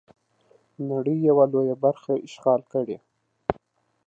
د نړۍ یوه لویه برخه اشغال کړي.